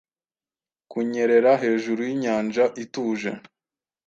Kunyerera hejuru yinyanja ituje